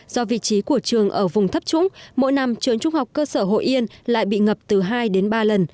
do vị trí của trường ở vùng thấp trũng mỗi năm trường trung học cơ sở hội yên lại bị ngập từ hai đến ba lần